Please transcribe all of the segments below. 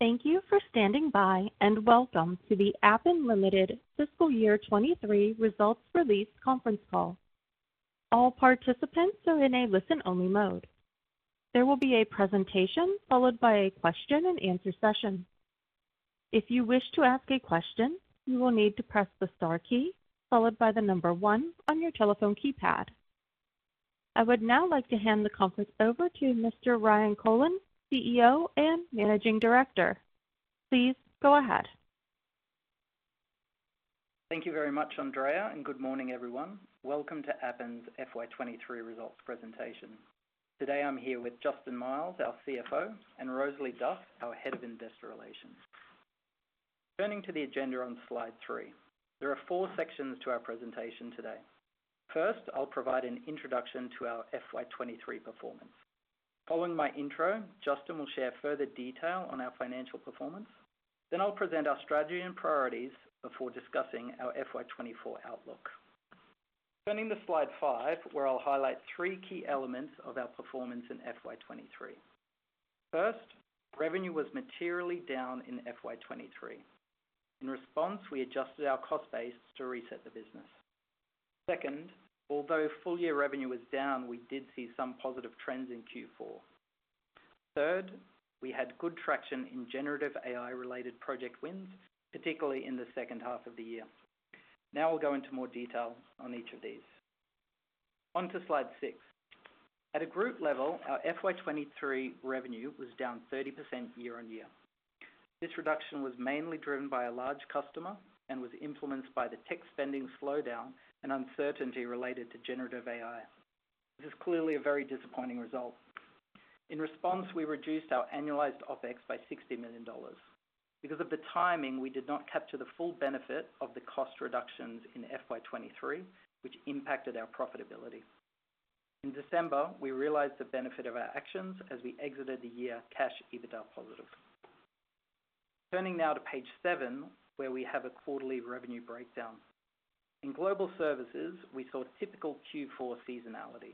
Thank you for standing by and welcome to the Appen Limited Fiscal Year 2023 Results Release Conference Call. All participants are in a listen-only mode. There will be a presentation followed by a question-and-answer session. If you wish to ask a question, you will need to press the star key followed by the number 1 on your telephone keypad. I would now like to hand the conference over to Mr. Ryan Kolln, CEO and Managing Director. Please go ahead. Thank you very much, Andrea, and good morning, everyone. Welcome to Appen's FY 2023 results presentation. Today I'm here with Justin Miles, our CFO, and Rosalie Duff, our Head of Investor Relations. Turning to the agenda on slide three, there are four sections to our presentation today. First, I'll provide an introduction to our FY 2023 performance. Following my intro, Justin will share further detail on our financial performance. Then I'll present our strategy and priorities before discussing our FY 2024 outlook. Turning to slide five, where I'll highlight three key elements of our performance in FY 2023. First, revenue was materially down in FY 2023. In response, we adjusted our cost base to reset the business. Second, although full-year revenue was down, we did see some positive trends in Q4. Third, we had good traction in generative AI-related project wins, particularly in the second half of the year. Now I'll go into more detail on each of these. On to slide six. At a group level, our FY 2023 revenue was down 30% year-on-year. This reduction was mainly driven by a large customer and was influenced by the tech spending slowdown and uncertainty related to generative AI. This is clearly a very disappointing result. In response, we reduced our annualized OpEx by $60 million. Because of the timing, we did not capture the full benefit of the cost reductions in FY 2023, which impacted our profitability. In December, we realized the benefit of our actions as we exited the year Cash EBITDA positive. Turning now to page seven, where we have a quarterly revenue breakdown. In Global Services, we saw typical Q4 seasonality.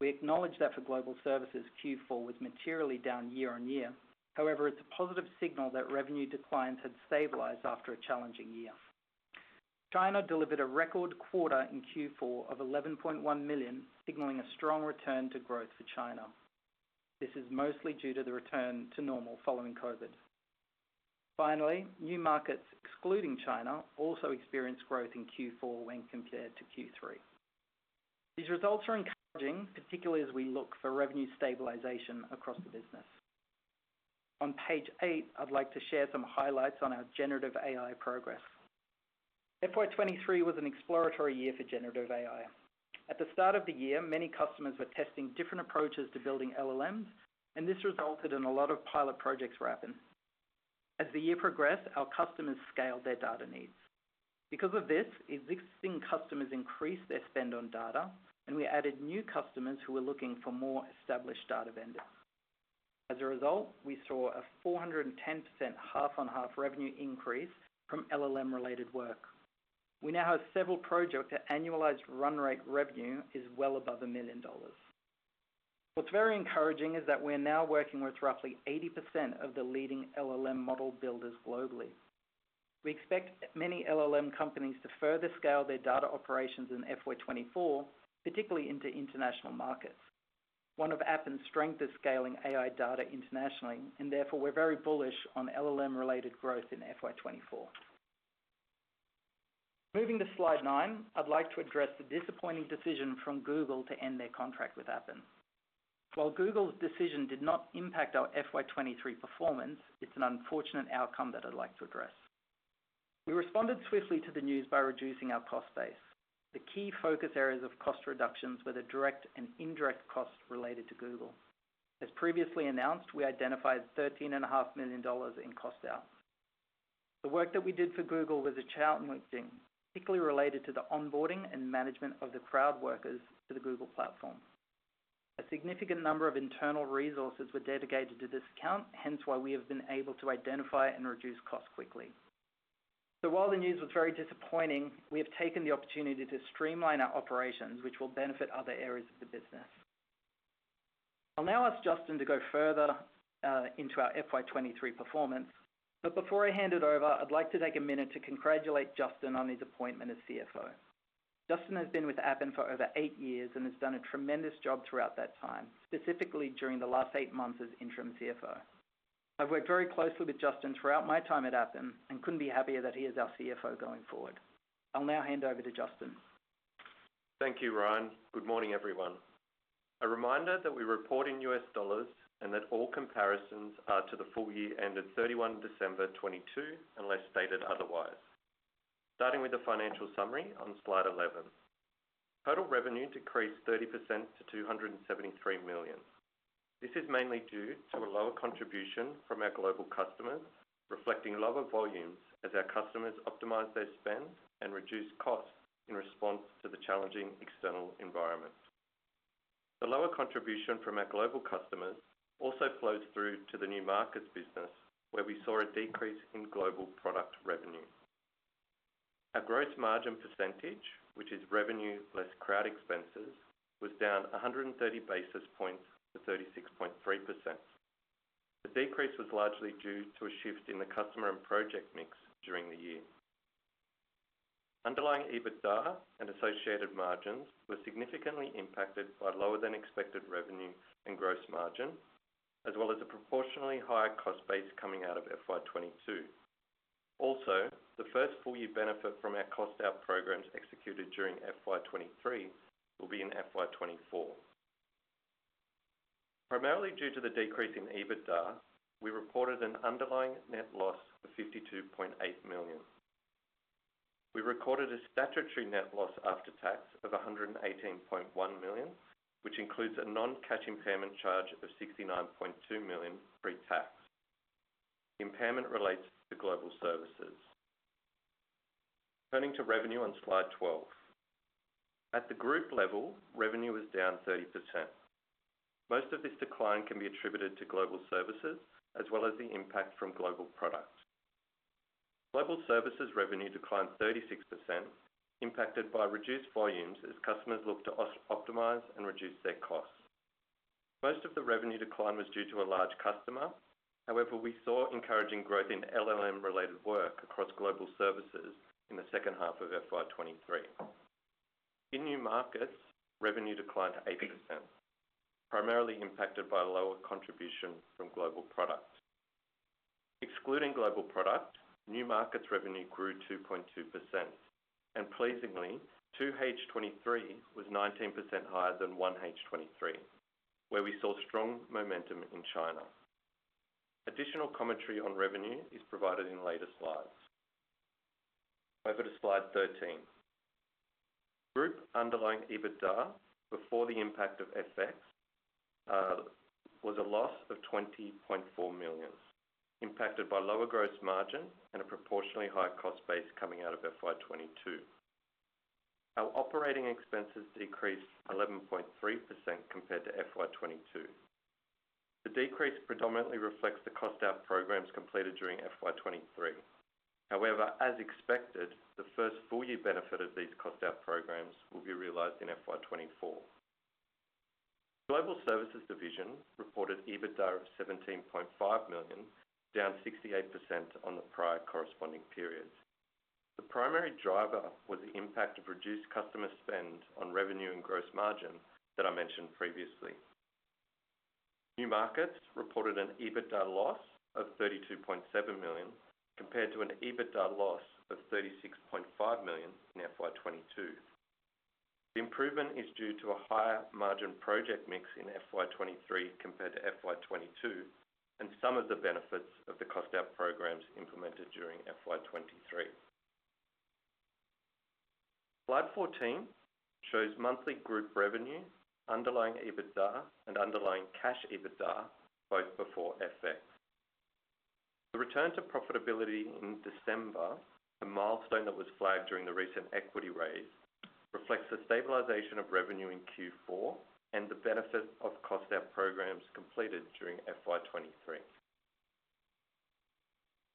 We acknowledge that for Global Services, Q4 was materially down year-on-year. However, it's a positive signal that revenue declines had stabilized after a challenging year. China delivered a record quarter in Q4 of $11.1 million, signaling a strong return to growth for China. This is mostly due to the return to normal following COVID. Finally, New Markets excluding China also experienced growth in Q4 when compared to Q3. These results are encouraging, particularly as we look for revenue stabilization across the business. On page eight, I'd like to share some highlights on our generative AI progress. FY 2023 was an exploratory year for generative AI. At the start of the year, many customers were testing different approaches to building LLMs, and this resulted in a lot of pilot projects for Appen. As the year progressed, our customers scaled their data needs. Because of this, existing customers increased their spend on data, and we added new customers who were looking for more established data vendors. As a result, we saw a 410% half-on-half revenue increase from LLM-related work. We now have several projects where annualized run-rate revenue is well above $1 million. What's very encouraging is that we're now working with roughly 80% of the leading LLM model builders globally. We expect many LLM companies to further scale their data operations in FY 2024, particularly into international markets. One of Appen's strengths is scaling AI data internationally, and therefore we're very bullish on LLM-related growth in FY 2024. Moving to slide nine, I'd like to address the disappointing decision from Google to end their contract with Appen. While Google's decision did not impact our FY 2023 performance, it's an unfortunate outcome that I'd like to address. We responded swiftly to the news by reducing our cost base. The key focus areas of cost reductions were the direct and indirect costs related to Google. As previously announced, we identified $13.5 million in cost out. The work that we did for Google was challenging, particularly related to the onboarding and management of the crowd workers to the Google platform. A significant number of internal resources were dedicated to this account, hence why we have been able to identify and reduce costs quickly. So while the news was very disappointing, we have taken the opportunity to streamline our operations, which will benefit other areas of the business. I'll now ask Justin to go further into our FY 2023 performance. But before I hand it over, I'd like to take a minute to congratulate Justin on his appointment as CFO. Justin has been with Appen for over eight years and has done a tremendous job throughout that time, specifically during the last eight months as interim CFO. I've worked very closely with Justin throughout my time at Appen and couldn't be happier that he is our CFO going forward. I'll now hand over to Justin. Thank you, Ryan. Good morning, everyone. A reminder that we report in US dollars and that all comparisons are to the full year ended 31 December 2022 unless stated otherwise. Starting with the financial summary on slide 11. Total revenue decreased 30% to $273 million. This is mainly due to a lower contribution from our global customers, reflecting lower volumes as our customers optimize their spend and reduce costs in response to the challenging external environment. The lower contribution from our global customers also flows through to the New Markets business, where we saw a decrease in Global Product revenue. Our gross margin percentage, which is revenue less crowd expenses, was down 130 basis points to 36.3%. The decrease was largely due to a shift in the customer and project mix during the year. Underlying EBITDA and associated margins were significantly impacted by lower-than-expected revenue and gross margin, as well as a proportionally higher cost base coming out of FY 2022. Also, the first full-year benefit from our cost out programs executed during FY 2023 will be in FY 2024. Primarily due to the decrease in EBITDA, we reported an underlying net loss of $52.8 million. We recorded a statutory net loss after tax of $118.1 million, which includes a non-cash impairment charge of $69.2 million pre-tax. The impairment relates to Global Services. Turning to revenue on slide 12. At the group level, revenue was down 30%. Most of this decline can be attributed to Global Services as well as the impact from Global Products. Global Services revenue declined 36%, impacted by reduced volumes as customers looked to optimize and reduce their costs. Most of the revenue decline was due to a large customer. However, we saw encouraging growth in LLM-related work across Global Services in the second half of FY 2023. In New Markets, revenue declined 8%, primarily impacted by lower contribution from Global Products. Excluding Global Product, New Markets revenue grew 2.2%. And pleasingly, 2H 2023 was 19% higher than 1H 2023, where we saw strong momentum in China. Additional commentary on revenue is provided in later slides. Over to slide 13. Group underlying EBITDA before the impact of FX was a loss of $20.4 million, impacted by lower gross margin and a proportionally higher cost base coming out of FY 2022. Our operating expenses decreased 11.3% compared to FY 2022. The decrease predominantly reflects the cost out programs completed during FY 2023. However, as expected, the first full-year benefit of these cost out programs will be realized in FY 2024. Global Services division reported EBITDA of $17.5 million, down 68% on the prior corresponding periods. The primary driver was the impact of reduced customer spend on revenue and gross margin that I mentioned previously. New Markets reported an EBITDA loss of $32.7 million compared to an EBITDA loss of $36.5 million in FY 2022. The improvement is due to a higher margin project mix in FY 2023 compared to FY 2022 and some of the benefits of the cost out programs implemented during FY 2023. Slide 14 shows monthly group revenue, underlying EBITDA, and underlying cash EBITDA both before FX. The return to profitability in December, a milestone that was flagged during the recent equity raise, reflects the stabilization of revenue in Q4 and the benefit of cost out programs completed during FY 2023.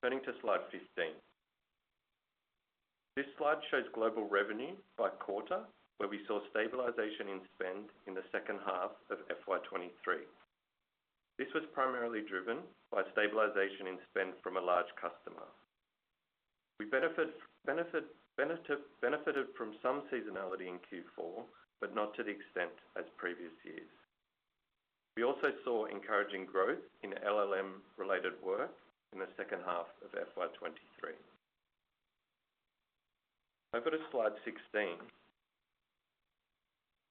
Turning to slide 15. This slide shows global revenue by quarter, where we saw stabilization in spend in the second half of FY 2023. This was primarily driven by stabilization in spend from a large customer. We benefited from some seasonality in Q4, but not to the extent as previous years. We also saw encouraging growth in LLM-related work in the second half of FY 2023. Over to slide 16.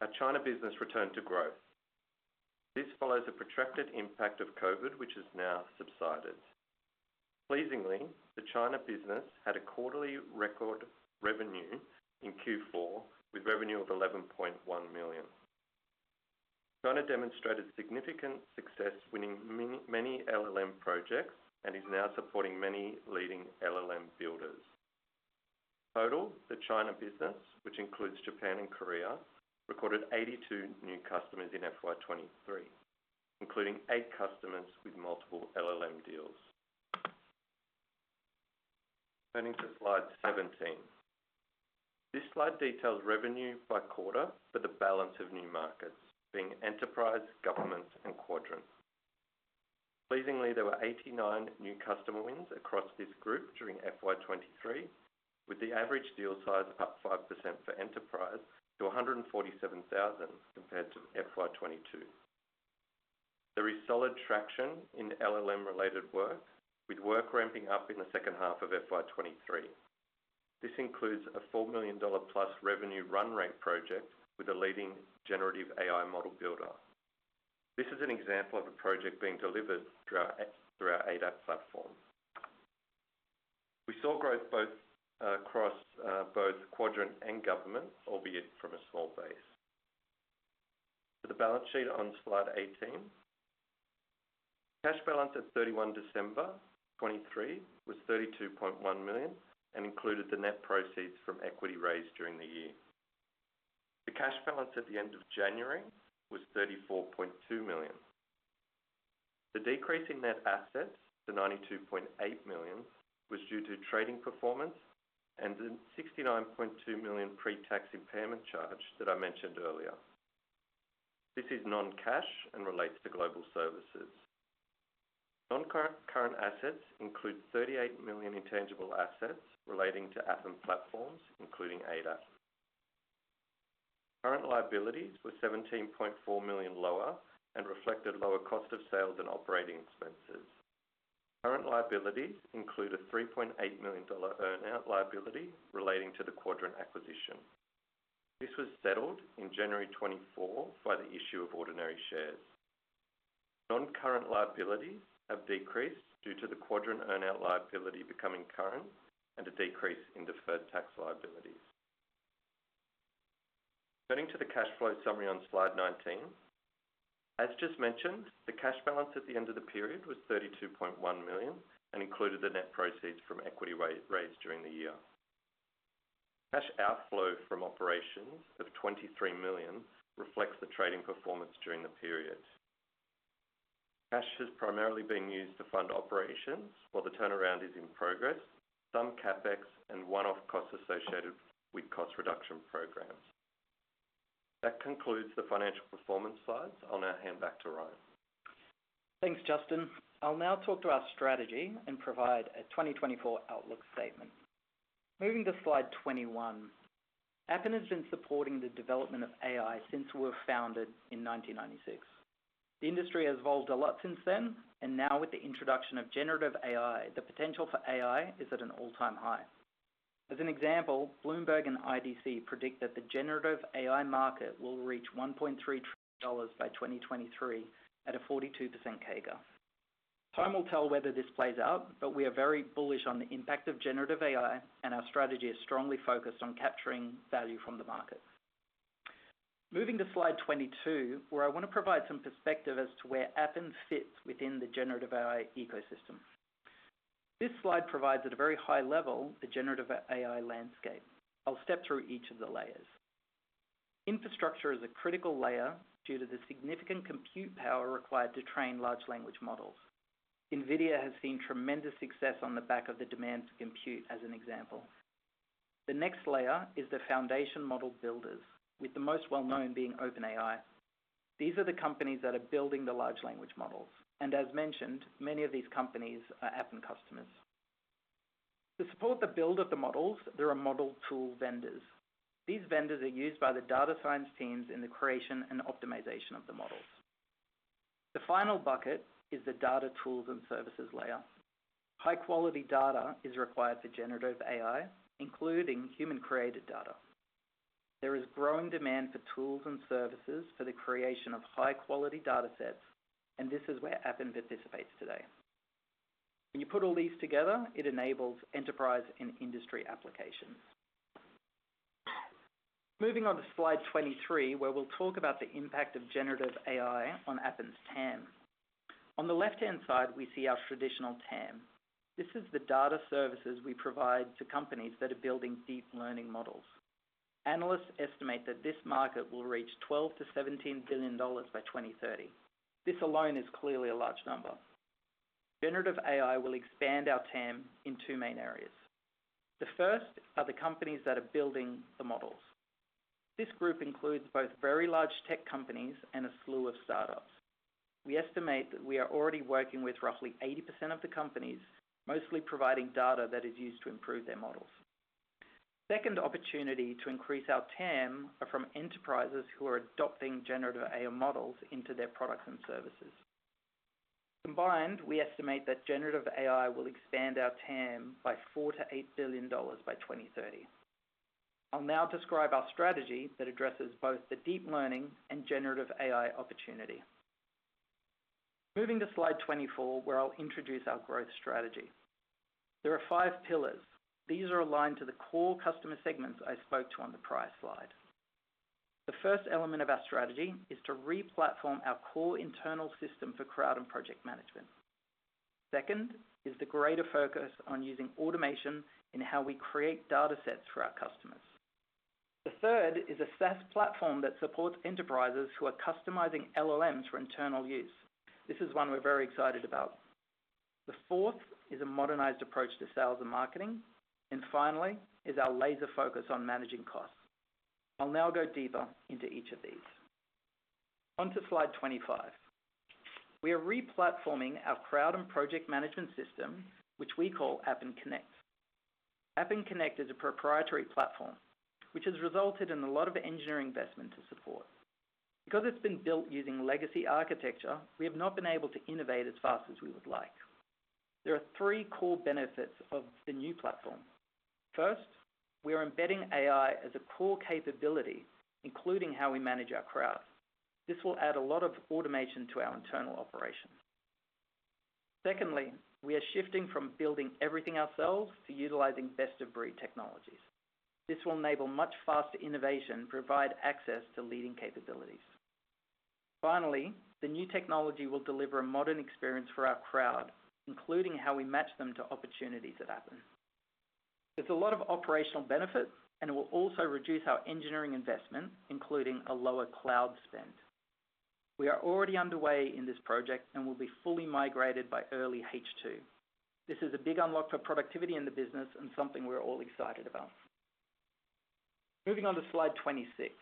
Our China business returned to growth. This follows a protracted impact of COVID, which has now subsided. Pleasingly, the China business had a quarterly record revenue in Q4 with revenue of $11.1 million. China demonstrated significant success winning many LLM projects and is now supporting many leading LLM builders. Total, the China business, which includes Japan and Korea, recorded 82 new customers in FY 2023, including eight customers with multiple LLM deals. Turning to slide 17. This slide details revenue by quarter for the balance of New Markets, being Enterprise, Government, and Quadrant. Pleasingly, there were 89 new customer wins across this group during FY 2023, with the average deal size up 5% for Enterprise to 147,000 compared to FY 2022. There is solid traction in LLM-related work, with work ramping up in the second half of FY 2023. This includes a $4 million+ revenue run-rate project with a leading generative AI model builder. This is an example of a project being delivered through our ADAP platform. We saw growth both across Quadrant and Government, albeit from a small base. For the balance sheet on slide 18. Cash balance at 31 December 2023 was $32.1 million and included the net proceeds from equity raise during the year. The cash balance at the end of January was $34.2 million. The decrease in net assets to $92.8 million was due to trading performance and the $69.2 million pre-tax impairment charge that I mentioned earlier. This is non-cash and relates to Global Services. Non-current assets include $38 million intangible assets relating to Appen platforms, including ADAP. Current liabilities were $17.4 million lower and reflected lower cost of sales and operating expenses. Current liabilities include a $3.8 million earnout liability relating to the Quadrant acquisition. This was settled in January 2024 by the issue of ordinary shares. Non-current liabilities have decreased due to the Quadrant earnout liability becoming current and a decrease in deferred tax liabilities. Turning to the cash flow summary on slide 19. As just mentioned, the cash balance at the end of the period was $32.1 million and included the net proceeds from equity raise during the year. Cash outflow from operations of $23 million reflects the trading performance during the period. Cash has primarily been used to fund operations, while the turnaround is in progress, some CapEx, and one-off costs associated with cost reduction programs. That concludes the financial performance slides. I'll now hand back to Ryan. Thanks, Justin. I'll now talk to our strategy and provide a 2024 outlook statement. Moving to slide 21. Appen has been supporting the development of AI since we were founded in 1996. The industry has evolved a lot since then, and now with the introduction of generative AI, the potential for AI is at an all-time high. As an example, Bloomberg and IDC predict that the generative AI market will reach $1.3 trillion by 2023 at a 42% CAGR. Time will tell whether this plays out, but we are very bullish on the impact of generative AI, and our strategy is strongly focused on capturing value from the market. Moving to slide 22, where I want to provide some perspective as to where Appen fits within the generative AI ecosystem. This slide provides at a very high level the generative AI landscape. I'll step through each of the layers. Infrastructure is a critical layer due to the significant compute power required to train large language models. NVIDIA has seen tremendous success on the back of the demand for compute, as an example. The next layer is the foundation model builders, with the most well-known being OpenAI. These are the companies that are building the large language models. As mentioned, many of these companies are Appen customers. To support the build of the models, there are model tool vendors. These vendors are used by the data science teams in the creation and optimization of the models. The final bucket is the data tools and services layer. High-quality data is required for generative AI, including human-created data. There is growing demand for tools and services for the creation of high-quality data sets, and this is where Appen participates today. When you put all these together, it enables enterprise and industry applications. Moving on to slide 23, where we'll talk about the impact of generative AI on Appen's TAM. On the left-hand side, we see our traditional TAM. This is the data services we provide to companies that are building deep learning models. Analysts estimate that this market will reach $12-$17 billion by 2030. This alone is clearly a large number. Generative AI will expand our TAM in two main areas. The first are the companies that are building the models. This group includes both very large tech companies and a slew of startups. We estimate that we are already working with roughly 80% of the companies, mostly providing data that is used to improve their models. Second opportunity to increase our TAM are from enterprises who are adopting generative AI models into their products and services. Combined, we estimate that generative AI will expand our TAM by $4-$8 billion by 2030. I'll now describe our strategy that addresses both the deep learning and generative AI opportunity. Moving to slide 24, where I'll introduce our growth strategy. There are five pillars. These are aligned to the core customer segments I spoke to on the prior slide. The first element of our strategy is to replatform our core internal system for crowd and project management. Second is the greater focus on using automation in how we create data sets for our customers. The third is a SaaS platform that supports enterprises who are customizing LLMs for internal use. This is one we're very excited about. The fourth is a modernized approach to sales and marketing. And finally is our laser focus on managing costs. I'll now go deeper into each of these. Onto slide 25. We are replatforming our crowd and project management system, which we call Appen Connect. Appen Connect is a proprietary platform, which has resulted in a lot of engineering investment to support. Because it's been built using legacy architecture, we have not been able to innovate as fast as we would like. There are three core benefits of the new platform. First, we are embedding AI as a core capability, including how we manage our crowd. This will add a lot of automation to our internal operations. Secondly, we are shifting from building everything ourselves to utilizing best-of-breed technologies. This will enable much faster innovation and provide access to leading capabilities. Finally, the new technology will deliver a modern experience for our crowd, including how we match them to opportunities at Appen. There's a lot of operational benefit, and it will also reduce our engineering investment, including a lower cloud spend. We are already underway in this project and will be fully migrated by early H2. This is a big unlock for productivity in the business and something we're all excited about. Moving on to slide 26.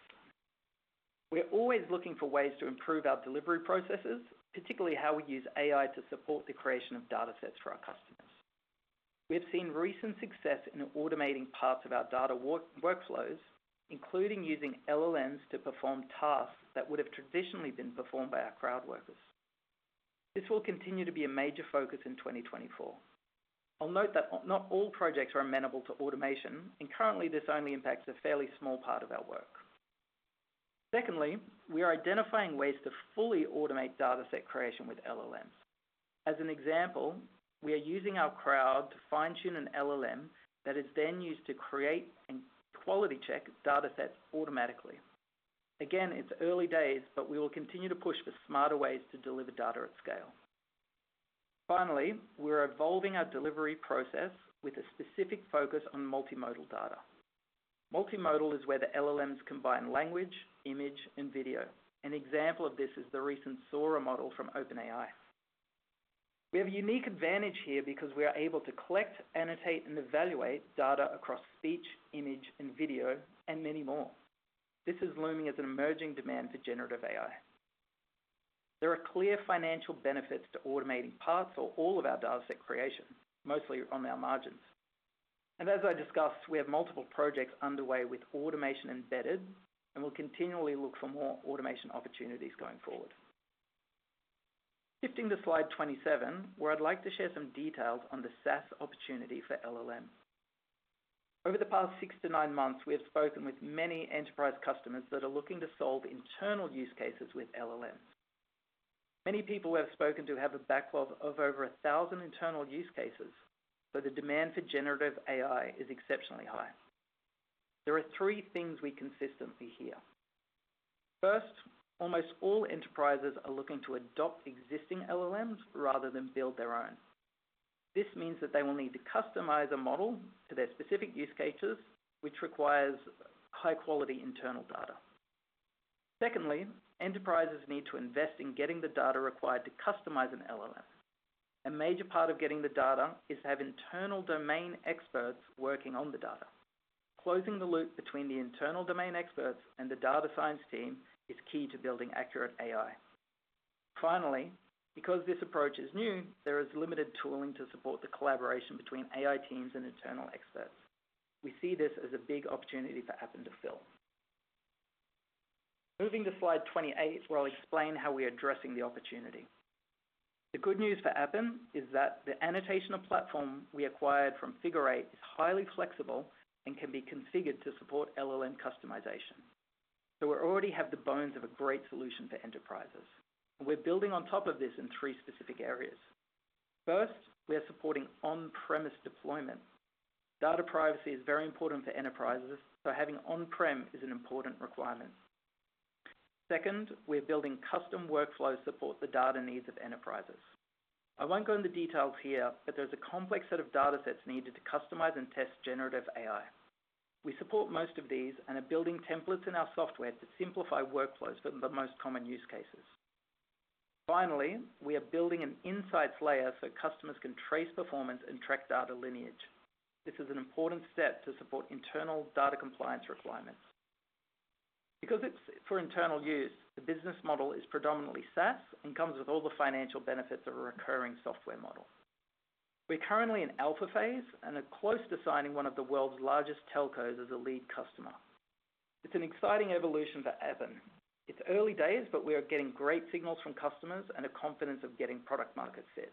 We're always looking for ways to improve our delivery processes, particularly how we use AI to support the creation of data sets for our customers. We have seen recent success in automating parts of our data workflows, including using LLMs to perform tasks that would have traditionally been performed by our crowd workers. This will continue to be a major focus in 2024. I'll note that not all projects are amenable to automation, and currently, this only impacts a fairly small part of our work. Secondly, we are identifying ways to fully automate data set creation with LLMs. As an example, we are using our crowd to fine-tune an LLM that is then used to create and quality-check data sets automatically. Again, it's early days, but we will continue to push for smarter ways to deliver data at scale. Finally, we're evolving our delivery process with a specific focus on multimodal data. Multimodal is where the LLMs combine language, image, and video. An example of this is the recent Sora model from OpenAI. We have a unique advantage here because we are able to collect, annotate, and evaluate data across speech, image, and video, and many more. This is looming as an emerging demand for generative AI. There are clear financial benefits to automating parts or all of our data set creation, mostly on our margins. And as I discussed, we have multiple projects underway with automation embedded, and we'll continually look for more automation opportunities going forward. Shifting to slide 27, where I'd like to share some details on the SaaS opportunity for LLM. Over the past 6-9 months, we have spoken with many enterprise customers that are looking to solve internal use cases with LLMs. Many people we have spoken to have a backlog of over 1,000 internal use cases, so the demand for generative AI is exceptionally high. There are three things we consistently hear. First, almost all enterprises are looking to adopt existing LLMs rather than build their own. This means that they will need to customize a model to their specific use cases, which requires high-quality internal data. Secondly, enterprises need to invest in getting the data required to customize an LLM. A major part of getting the data is to have internal domain experts working on the data. Closing the loop between the internal domain experts and the data science team is key to building accurate AI. Finally, because this approach is new, there is limited tooling to support the collaboration between AI teams and internal experts. We see this as a big opportunity for Appen to fill. Moving to slide 28, where I'll explain how we are addressing the opportunity. The good news for Appen is that the annotation platform we acquired from Figure Eight is highly flexible and can be configured to support LLM customization. So we already have the bones of a great solution for enterprises. We're building on top of this in three specific areas. First, we are supporting on-premise deployment. Data privacy is very important for enterprises, so having on-prem is an important requirement. Second, we're building custom workflows to support the data needs of enterprises. I won't go into details here, but there's a complex set of data sets needed to customize and test generative AI. We support most of these and are building templates in our software to simplify workflows for the most common use cases. Finally, we are building an insights layer so customers can trace performance and track data lineage. This is an important step to support internal data compliance requirements. Because it's for internal use, the business model is predominantly SaaS and comes with all the financial benefits of a recurring software model. We're currently in alpha phase and are close to signing one of the world's largest telcos as a lead customer. It's an exciting evolution for Appen. It's early days, but we are getting great signals from customers and a confidence of getting product-market fit.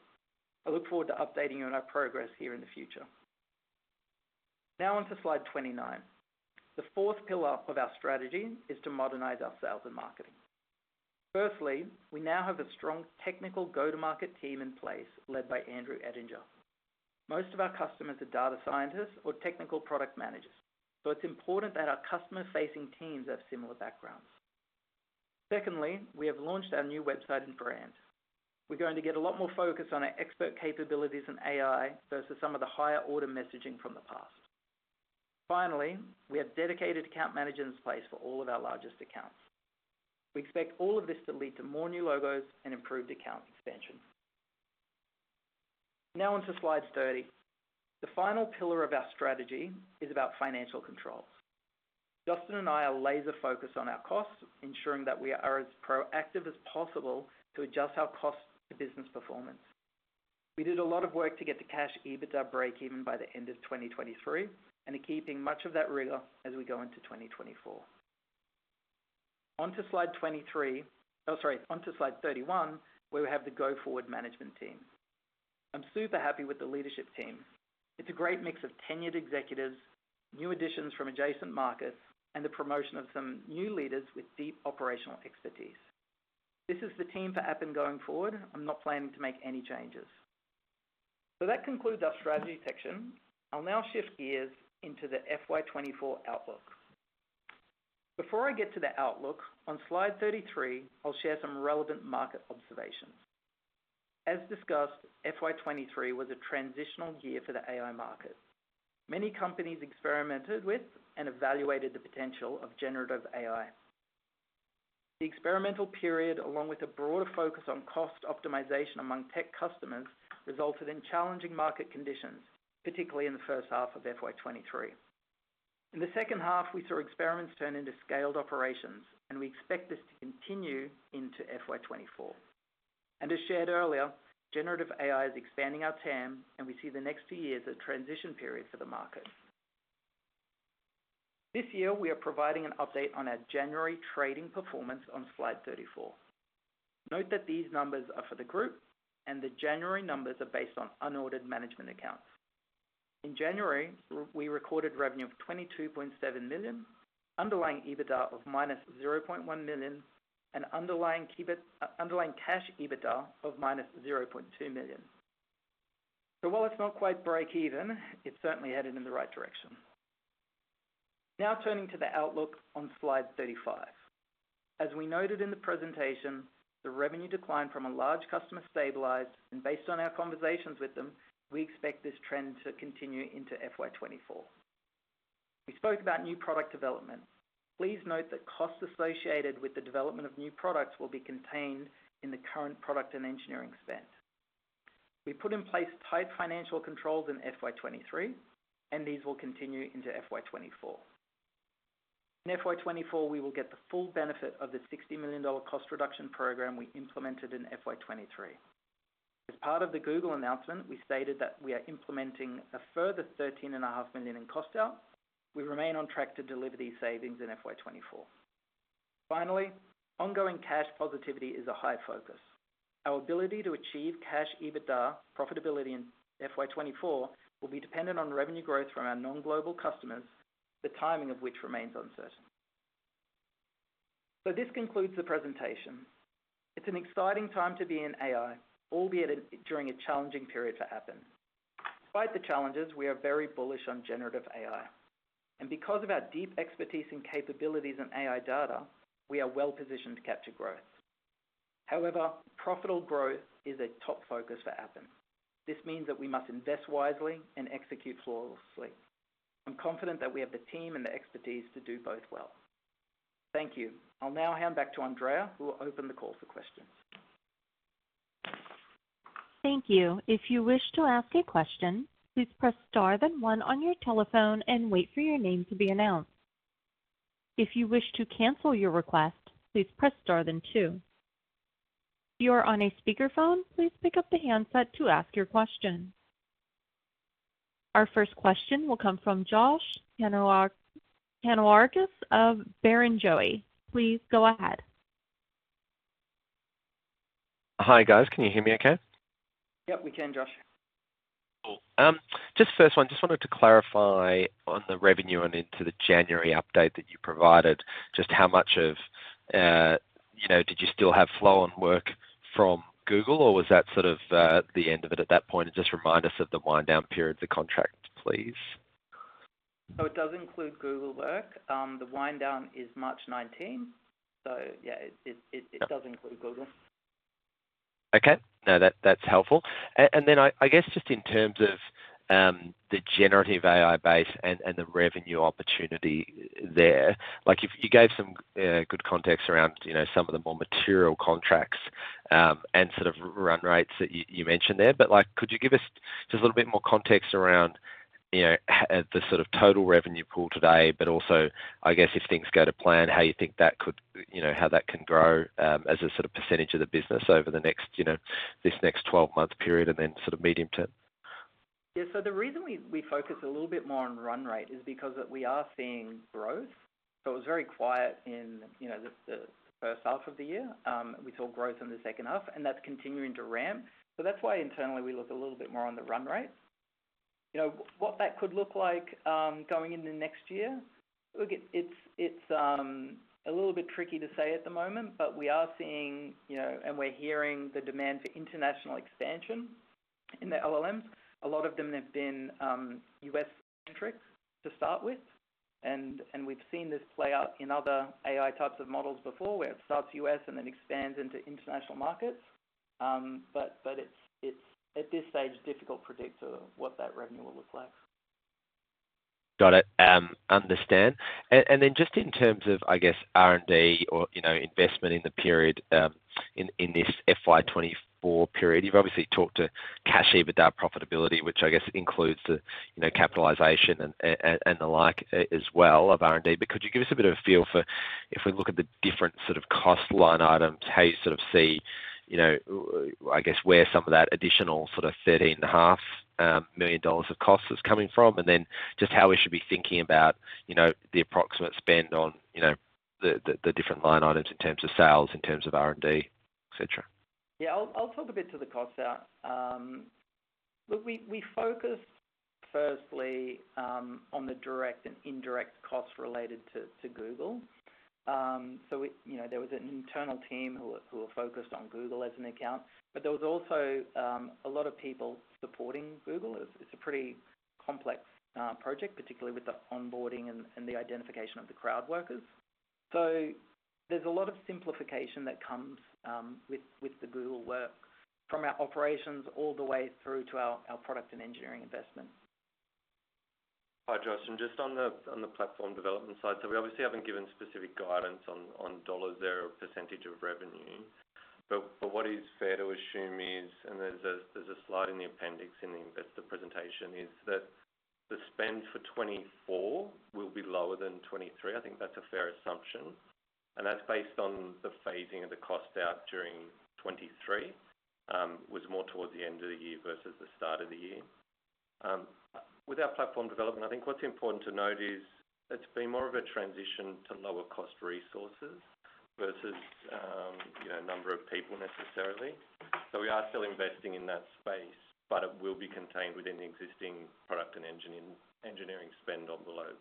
I look forward to updating you on our progress here in the future. Now onto slide 29. The fourth pillar of our strategy is to modernize our sales and marketing. Firstly, we now have a strong technical go-to-market team in place led by Andrew Ettinger. Most of our customers are data scientists or technical product managers, so it's important that our customer-facing teams have similar backgrounds. Secondly, we have launched our new website and brand. We're going to get a lot more focus on our expert capabilities in AI versus some of the higher-order messaging from the past. Finally, we have dedicated account managers in place for all of our largest accounts. We expect all of this to lead to more new logos and improved account expansion. Now onto slide 30. The final pillar of our strategy is about financial controls. Justin and I are laser-focused on our costs, ensuring that we are as proactive as possible to adjust our costs to business performance. We did a lot of work to get the Cash EBITDA break-even by the end of 2023 and are keeping much of that rigor as we go into 2024. Onto slide 23, oh, sorry, onto slide 31, where we have the go-forward management team. I'm super happy with the leadership team. It's a great mix of tenured executives, new additions from adjacent markets, and the promotion of some new leaders with deep operational expertise. This is the team for Appen going forward. I'm not planning to make any changes. So that concludes our strategy section. I'll now shift gears into the FY24 outlook. Before I get to the outlook, on slide 33, I'll share some relevant market observations. As discussed, FY23 was a transitional year for the AI market. Many companies experimented with and evaluated the potential of generative AI. The experimental period, along with a broader focus on cost optimization among tech customers, resulted in challenging market conditions, particularly in the first half of FY23. In the second half, we saw experiments turn into scaled operations, and we expect this to continue into FY24. And as shared earlier, generative AI is expanding our TAM, and we see the next two years a transition period for the market. This year, we are providing an update on our January trading performance on slide 34. Note that these numbers are for the group, and the January numbers are based on unaudited management accounts. In January, we recorded revenue of $22.7 million, underlying EBITDA of -$0.1 million, and underlying cash EBITDA of -$0.2 million. So while it's not quite break-even, it's certainly headed in the right direction. Now turning to the outlook on slide 35. As we noted in the presentation, the revenue declined from a large customer stabilized, and based on our conversations with them, we expect this trend to continue into FY24. We spoke about new product development. Please note that costs associated with the development of new products will be contained in the current product and engineering spend. We put in place tight financial controls in FY23, and these will continue into FY24. In FY24, we will get the full benefit of the $60 million cost reduction program we implemented in FY23. As part of the Google announcement, we stated that we are implementing a further $13.5 million in cost out. We remain on track to deliver these savings in FY24. Finally, ongoing cash positivity is a high focus. Our ability to achieve cash EBITDA profitability in FY24 will be dependent on revenue growth from our non-global customers, the timing of which remains uncertain. So this concludes the presentation. It's an exciting time to be in AI, albeit during a challenging period for Appen. Despite the challenges, we are very bullish on generative AI. And because of our deep expertise in capabilities and AI data, we are well-positioned to capture growth. However, profitable growth is a top focus for Appen. This means that we must invest wisely and execute flawlessly. I'm confident that we have the team and the expertise to do both well. Thank you. I'll now hand back to Andrea, who will open the call for questions. Thank you. If you wish to ask a question, please press star, then one on your telephone and wait for your name to be announced. If you wish to cancel your request, please press star, then two. If you are on a speakerphone, please pick up the handset to ask your question. Our first question will come from Josh Kannourakis of Barrenjoey. Please go ahead. Hi, guys. Can you hear me okay? Yep, we can, Josh. Cool. Just first one, just wanted to clarify on the revenue and into the January update that you provided, just how much of did you still have flow on work from Google, or was that sort of the end of it at that point? And just remind us of the wind-down period for contracts, please? So it does include Google work. The wind-down is March 19. So yeah, it does include Google. Okay. No, that's helpful. And then I guess just in terms of the generative AI base and the revenue opportunity there, you gave some good context around some of the more material contracts and sort of run rates that you mentioned there. But could you give us just a little bit more context around the sort of total revenue pool today, but also, I guess, if things go to plan, how you think that could how that can grow as a sort of percentage of the business over this next 12-month period and then sort of medium-term? Yeah. So the reason we focus a little bit more on run rate is because we are seeing growth. So it was very quiet in the first half of the year. We saw growth in the second half, and that's continuing to ramp. So that's why internally, we look a little bit more on the run rate. What that could look like going into next year, it's a little bit tricky to say at the moment, but we are seeing and we're hearing the demand for international expansion in the LLMs. A lot of them have been U.S.-centric to start with. And we've seen this play out in other AI types of models before where it starts U.S. and then expands into international markets. But at this stage, it's difficult to predict what that revenue will look like. Got it. Understand. And then just in terms of, I guess, R&D or investment in this FY2024 period, you've obviously talked to cash EBITDA profitability, which I guess includes the capitalization and the like as well of R&D. But could you give us a bit of a feel for if we look at the different sort of cost line items, how you sort of see, I guess, where some of that additional sort of $13.5 million of cost is coming from, and then just how we should be thinking about the approximate spend on the different line items in terms of sales, in terms of R&D, etc.? Yeah. I'll talk a bit to the cost out. Look, we focused, firstly, on the direct and indirect costs related to Google. So there was an internal team who were focused on Google as an account. But there was also a lot of people supporting Google. It's a pretty complex project, particularly with the onboarding and the identification of the crowd workers. So there's a lot of simplification that comes with the Google work from our operations all the way through to our product and engineering investment. Hi, Josh. And just on the platform development side, so we obviously haven't given specific guidance on dollars there or percentage of revenue. But what is fair to assume is, and there's a slide in the appendix in the investor presentation, is that the spend for 2024 will be lower than 2023. I think that's a fair assumption. And that's based on the phasing of the cost out during 2023 was more towards the end of the year versus the start of the year. With our platform development, I think what's important to note is it's been more of a transition to lower-cost resources versus a number of people necessarily. So we are still investing in that space, but it will be contained within the existing product and engineering spend on the load.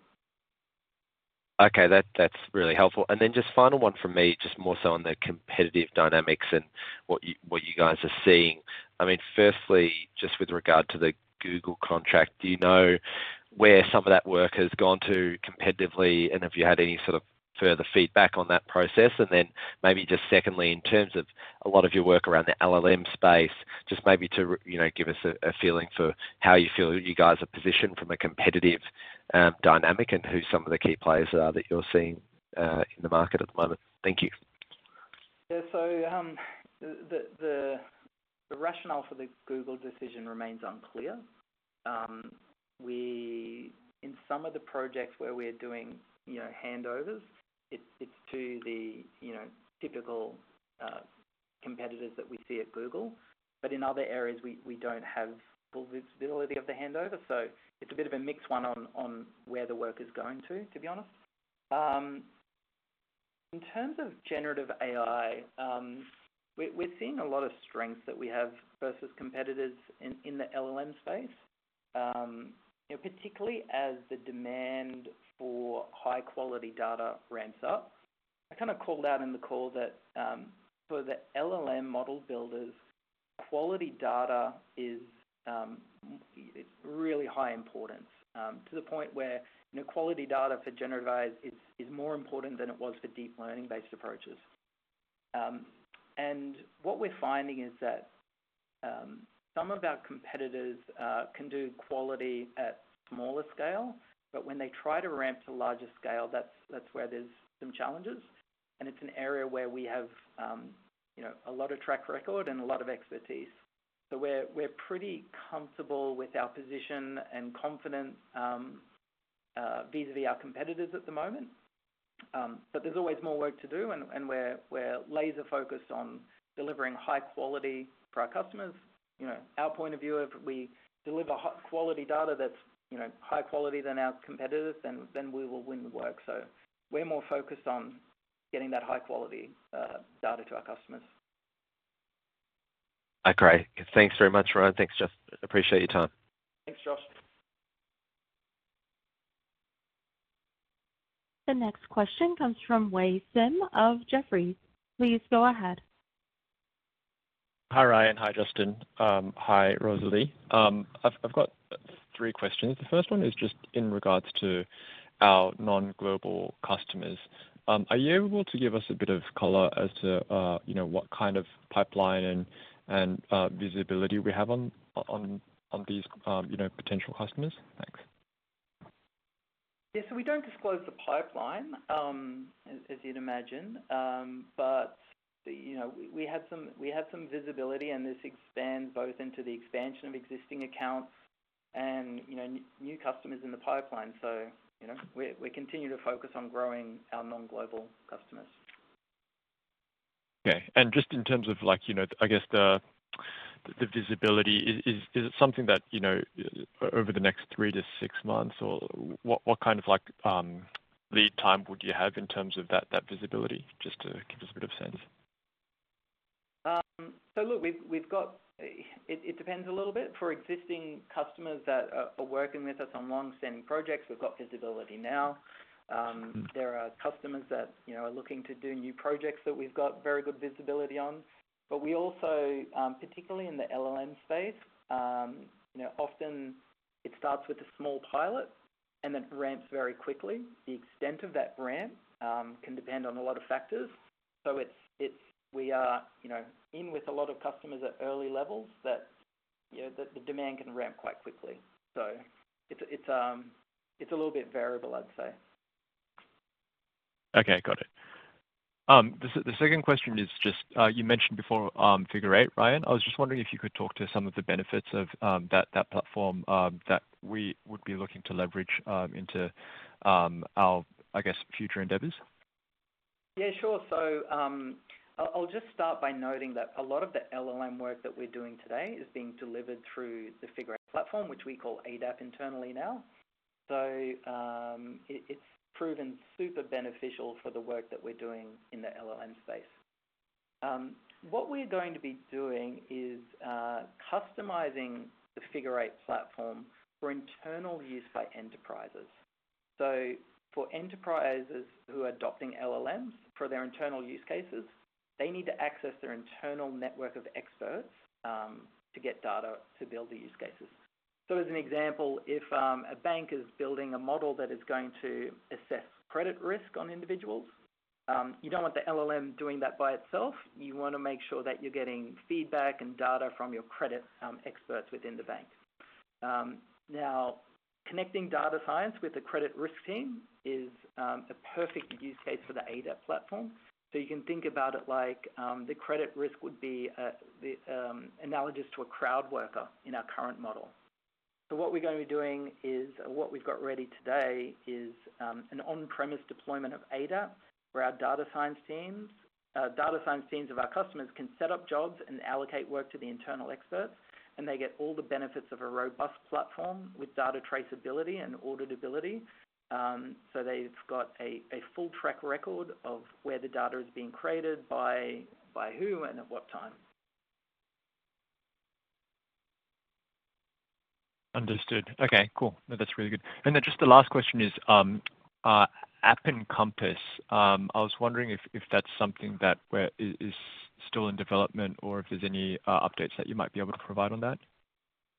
Okay. That's really helpful. And then just final one from me, just more so on the competitive dynamics and what you guys are seeing. I mean, firstly, just with regard to the Google contract, do you know where some of that work has gone to competitively, and have you had any sort of further feedback on that process? And then maybe just secondly, in terms of a lot of your work around the LLM space, just maybe to give us a feeling for how you feel you guys are positioned from a competitive dynamic and who some of the key players are that you're seeing in the market at the moment. Thank you. Yeah. So the rationale for the Google decision remains unclear. In some of the projects where we're doing handovers, it's to the typical competitors that we see at Google. But in other areas, we don't have the visibility of the handover. So it's a bit of a mixed one on where the work is going to, to be honest. In terms of generative AI, we're seeing a lot of strength that we have versus competitors in the LLM space, particularly as the demand for high-quality data ramps up. I kind of called out in the call that for the LLM model builders, quality data is really high importance to the point where quality data for generative AI is more important than it was for deep learning-based approaches. What we're finding is that some of our competitors can do quality at smaller scale, but when they try to ramp to larger scale, that's where there's some challenges. It's an area where we have a lot of track record and a lot of expertise. So we're pretty comfortable with our position and confident vis-à-vis our competitors at the moment. But there's always more work to do, and we're laser-focused on delivering high quality for our customers. Our point of view, if we deliver quality data that's higher quality than our competitors, then we will win the work. So we're more focused on getting that high-quality data to our customers. All right. Thanks very much, Ryan. Thanks, Josh. Appreciate your time. Thanks, Josh. The next question comes from Wei Sim of Jefferies. Please go ahead. Hi, Ryan. Hi, Justin. Hi, Rosalie. I've got three questions. The first one is just in regards to our non-global customers. Are you able to give us a bit of color as to what kind of pipeline and visibility we have on these potential customers? Thanks. Yeah. So we don't disclose the pipeline, as you'd imagine. But we have some visibility, and this expands both into the expansion of existing accounts and new customers in the pipeline. So we continue to focus on growing our non-global customers. Okay. And just in terms of, I guess, the visibility, is it something that over the next 3-6 months, or what kind of lead time would you have in terms of that visibility, just to give us a bit of sense? So look, it depends a little bit. For existing customers that are working with us on longstanding projects, we've got visibility now. There are customers that are looking to do new projects that we've got very good visibility on. But we also, particularly in the LLM space, often it starts with a small pilot, and then it ramps very quickly. The extent of that ramp can depend on a lot of factors. So we are in with a lot of customers at early levels that the demand can ramp quite quickly. So it's a little bit variable, I'd say. Okay. Got it. The second question is just you mentioned before Figure Eight, Ryan. I was just wondering if you could talk to some of the benefits of that platform that we would be looking to leverage into, I guess, future endeavors? Yeah. Sure. So I'll just start by noting that a lot of the LLM work that we're doing today is being delivered through the Figure Eight platform, which we call ADAP internally now. So it's proven super beneficial for the work that we're doing in the LLM space. What we're going to be doing is customizing the Figure Eight platform for internal use by enterprises. So for enterprises who are adopting LLMs for their internal use cases, they need to access their internal network of experts to get data to build the use cases. So as an example, if a bank is building a model that is going to assess credit risk on individuals, you don't want the LLM doing that by itself. You want to make sure that you're getting feedback and data from your credit experts within the bank. Now, connecting data science with the credit risk team is a perfect use case for the ADAP platform. So you can think about it like the credit risk would be analogous to a crowd worker in our current model. So what we're going to be doing is what we've got ready today is an on-premise deployment of ADAP where our data science teams data science teams of our customers can set up jobs and allocate work to the internal experts, and they get all the benefits of a robust platform with data traceability and auditability. So they've got a full track record of where the data is being created, by who, and at what time. Understood. Okay. Cool. No, that's really good. And then just the last question is Appen Compass. I was wondering if that's something that is still in development or if there's any updates that you might be able to provide on that.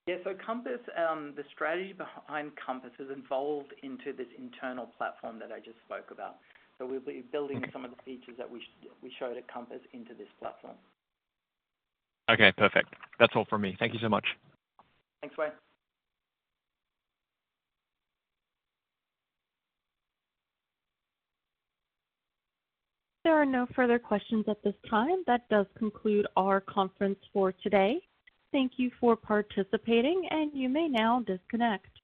Yeah. So Compass, the strategy behind Compass has evolved into this internal platform that I just spoke about. So we'll be building some of the features that we showed at Compass into this platform. Okay. Perfect. That's all from me. Thank you so much. Thanks, Wei. There are no further questions at this time. That does conclude our conference for today. Thank you for participating, and you may now disconnect.